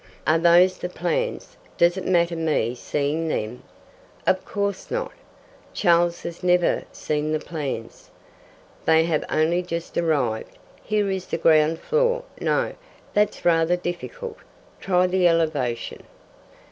"Are those the plans? Does it matter me seeing them?" "Of course not." "Charles has never seen the plans." "They have only just arrived. Here is the ground floor no, that's rather difficult. Try the elevation.